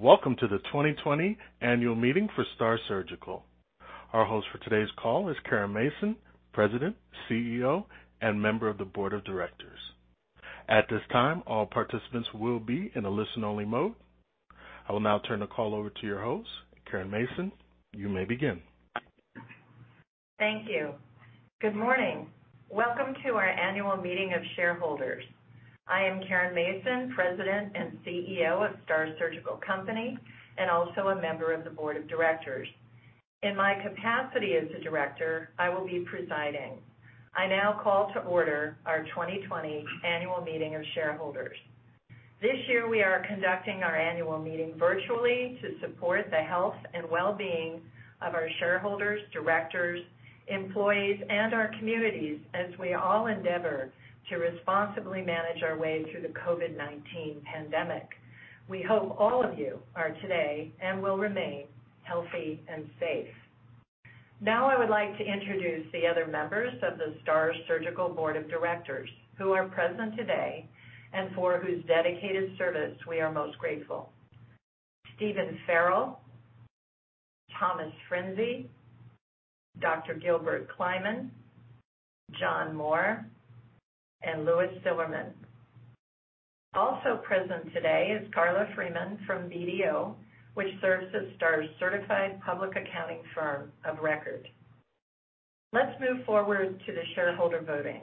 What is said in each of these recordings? Welcome to the 2020 annual meeting for STAAR Surgical Company. Our host for today's call is Caren Mason, President, CEO, and member of the board of directors. At this time, all participants will be in a listen-only mode. I will now turn the call over to your host, Caren Mason. You may begin. Thank you. Good morning. Welcome to our annual meeting of shareholders. I am Caren Mason, President and CEO of STAAR Surgical Company and also a member of the board of directors. In my capacity as a director, I will be presiding. I now call to order our 2020 annual meeting of shareholders. This year, we are conducting our annual meeting virtually to support the health and well-being of our shareholders, directors, employees, and our communities as we all endeavor to responsibly manage our way through the COVID-19 pandemic. We hope all of you are today, and will remain, healthy and safe. Now, I would like to introduce the other members of the STAAR Surgical Board of Directors who are present today and for whose dedicated service we are most grateful. Stephen Farrell, Thomas Frinzi, Dr. Gilbert Kliman, John Moore, and Louis Silverman. Also present today is Carla Freeman from BDO, which serves as STAAR's certified public accounting firm of record. Let's move forward to the shareholder voting.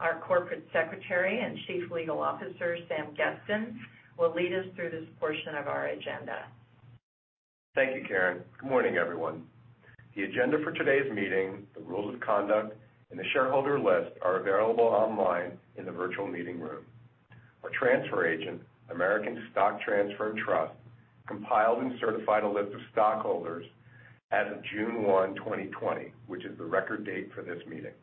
Our Corporate Secretary and Chief Legal Officer, Sam Gesten, will lead us through this portion of our agenda. Thank you, Caren. Good morning, everyone. The agenda for today's meeting, the rules of conduct, and the shareholder list are available online in the virtual meeting room. Our transfer agent, American Stock Transfer & Trust Company, compiled and certified a list of stockholders as of June 1, 2020, which is the record date for this meeting.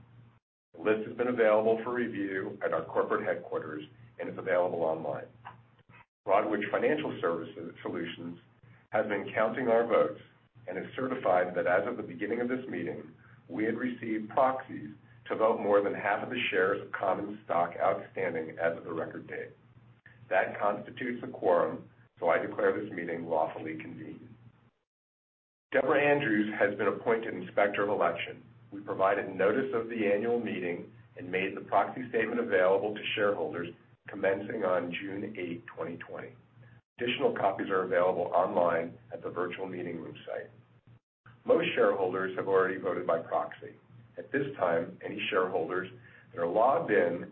The list has been available for review at our corporate headquarters and is available online. Broadridge Financial Solutions has been counting our votes and has certified that as of the beginning of this meeting, we had received proxies to vote more than half of the shares of common stock outstanding as of the record date. That constitutes a quorum. I declare this meeting lawfully convened. Deborah Andrews has been appointed Inspector of Election. We provided notice of the annual meeting and made the proxy statement available to shareholders commencing on June 8, 2020. Additional copies are available online at the virtual meeting room site. Most shareholders have already voted by proxy. At this time, any shareholders that are logged in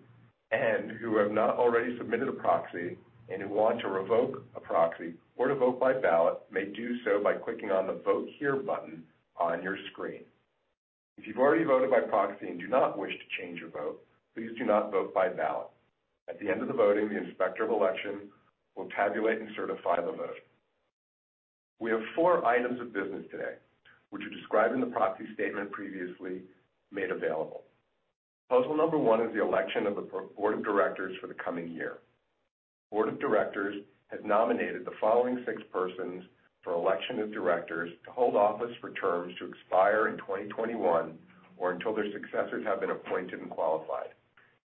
and who have not already submitted a proxy and who want to revoke a proxy or to vote by ballot may do so by clicking on the Vote Here button on your screen. If you've already voted by proxy and do not wish to change your vote, please do not vote by ballot. At the end of the voting, the Inspector of Election will tabulate and certify the vote. We have four items of business today, which are described in the proxy statement previously made available. Proposal number one is the election of the board of directors for the coming year. The board of directors has nominated the following six persons for election of directors to hold office for terms to expire in 2021, or until their successors have been appointed and qualified: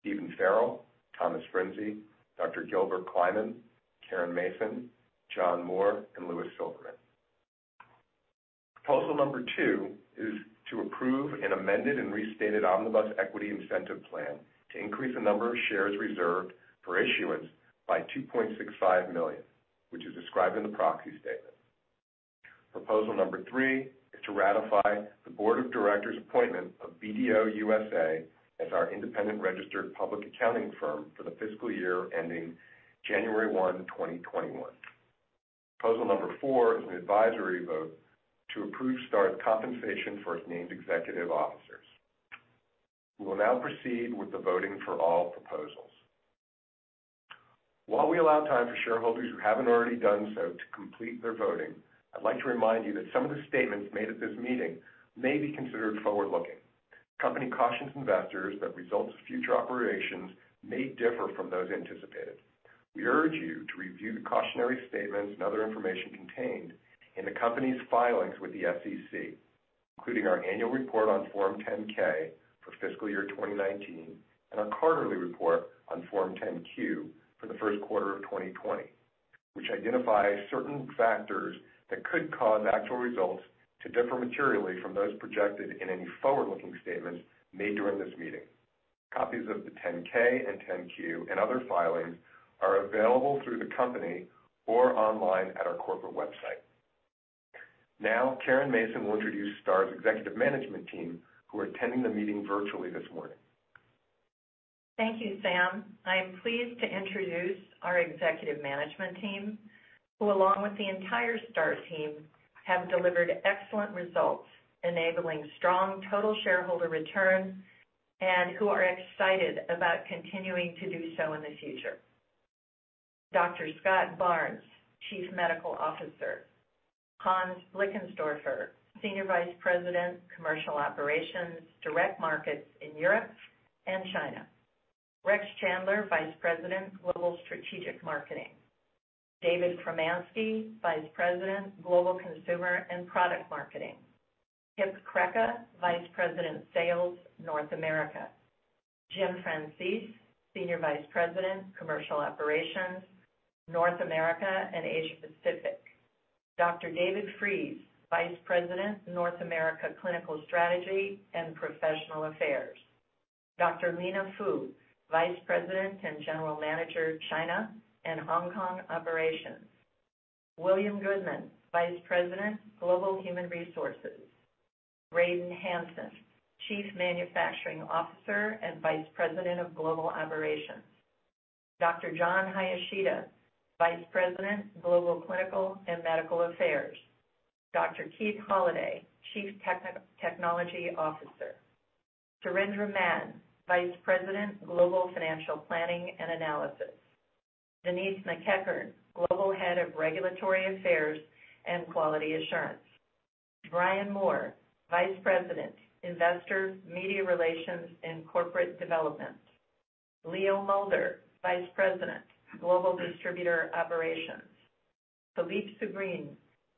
Stephen Farrell, Thomas Frinzi, Dr. Gilbert Kliman, Caren Mason, John Moore, and Louis Silverman. Proposal number two is to approve an Amended and Restated Omnibus Equity Incentive Plan to increase the number of shares reserved for issuance by $2.65 million, which is described in the proxy statement. Proposal number three is to ratify the board of directors' appointment of BDO USA as our independent registered public accounting firm for the fiscal year ending January 1, 2021. Proposal number four is an advisory vote to approve STAAR's compensation for its named executive officers. We will now proceed with the voting for all proposals. While we allow time for shareholders who haven't already done so to complete their voting, I'd like to remind you that some of the statements made at this meeting may be considered forward-looking. The company cautions investors that results of future operations may differ from those anticipated. We urge you to review the cautionary statements and other information contained in the company's filings with the SEC, including our annual report on Form 10-K for fiscal year 2019, and our quarterly report on Form 10-Q for the first quarter of 2020, which identify certain factors that could cause actual results to differ materially from those projected in any forward-looking statements made during this meeting. Copies of the 10-K and 10-Q and other filings are available through the company or online at our corporate website. Now, Caren Mason will introduce STAAR's executive management team, who are attending the meeting virtually this morning. Thank you, Sam. I am pleased to introduce our executive management team, who along with the entire STAAR team, have delivered excellent results enabling strong total shareholder return and who are excited about continuing to do so in the future. Dr. Scott Barnes, Chief Medical Officer. Hans Blickensdoerfer, Senior Vice President, Commercial Operations, Direct Markets in Europe and China. Rex Chandler, Vice President, Global Strategic Marketing. David Choromanski, Vice President, Global Consumer and Product Marketing. Kip Crecca, Vice President, Sales, North America. Jim Francese, Senior Vice President, Commercial Operations, North America and Asia Pacific. Dr. David Friess, Vice President, North America Clinical Strategy and Professional Affairs. Dr. Lena Fu, Vice President and General Manager, China and Hong Kong Operations. William Goodman, Vice President, Global Human Resources. Graydon Hansen, Chief Manufacturing Officer and Vice President of Global Operations. Dr. Jon Hayashida, Vice President, Global Clinical and Medical Affairs. Dr. Keith Holliday, Chief Technology Officer. Surindra Mann, Vice President, Global Financial Planning and Analysis. Denise McEachern, Global Head of Regulatory Affairs and Quality Assurance. Brian Moore, Vice President, Investor, Media Relations and Corporate Development. Leo Mulder, Vice President, Global Distributor Operations. Philippe Subrin,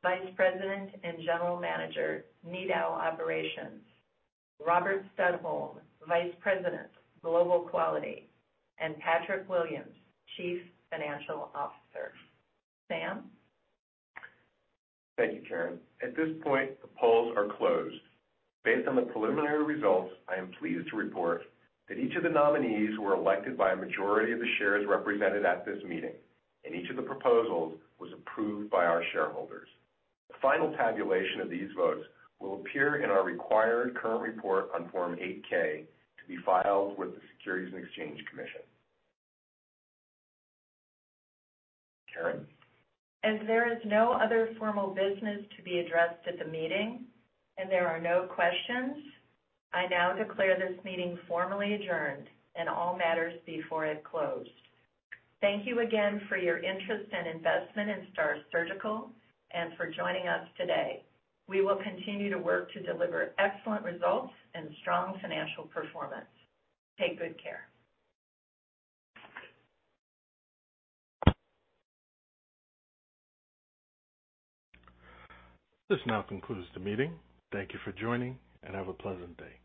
Vice President and General Manager, Nidau Operations. Robert Studholme, Vice President, Global Quality, and Patrick Williams, Chief Financial Officer. Sam? Thank you, Caren. At this point, the polls are closed. Based on the preliminary results, I am pleased to report that each of the nominees were elected by a majority of the shares represented at this meeting, and each of the proposals was approved by our shareholders. The final tabulation of these votes will appear in our required current report on Form 8-K to be filed with the Securities and Exchange Commission. Caren? As there is no other formal business to be addressed at the meeting, and there are no questions, I now declare this meeting formally adjourned, and all matters before it closed. Thank you again for your interest and investment in STAAR Surgical and for joining us today. We will continue to work to deliver excellent results and strong financial performance. Take good care. This now concludes the meeting. Thank you for joining, and have a pleasant day.